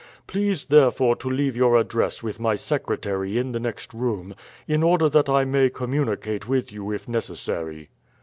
Please, therefore, to leave your address with my secretary in the next room, in order that I may communicate with you if necessary."